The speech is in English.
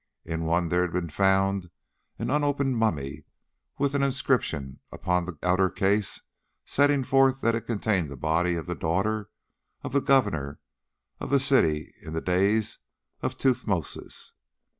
In one there had been found an unopened mummy with an inscription upon the outer case setting forth that it contained the body of the daughter of the Governor of the city in the days of Tuthmosis.